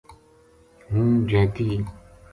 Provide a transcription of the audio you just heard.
ہوں جیدی